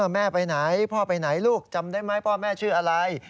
แม่ไปไหนพ่อไปไหนลูกจำได้ไหมพ่อแม่ชื่ออะไร